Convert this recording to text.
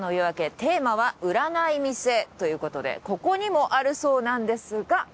テーマは売らない店ということでここにもあるそうなんですが。